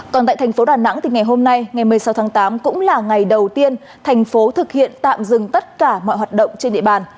còn tại thành phố đà nẵng thì ngày hôm nay ngày một mươi sáu tháng tám cũng là ngày đầu tiên thành phố thực hiện tạm dừng tất cả mọi hoạt động trên địa bàn